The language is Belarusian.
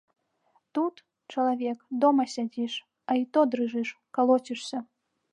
Тут, чалавек, дома сядзіш, а і то дрыжыш, калоцішся.